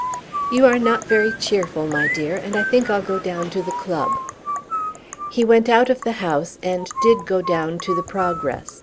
You are not very cheerful, my dear, and I think I'll go down to the club." He went out of the house and did go down to the Progress.